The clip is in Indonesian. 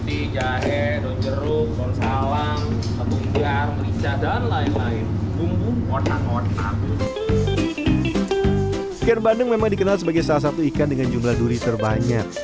stiker bandeng memang dikenal sebagai salah satu ikan dengan jumlah duri terbanyak